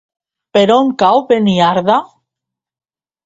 Per on cau Beniardà?